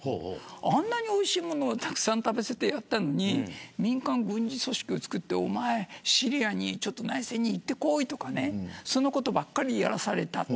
あんなに、おいしいものをたくさん食べさせてやったのに民間軍事組織を作ってシリアに内戦に行ってこいとかそんなことばかりやらされた。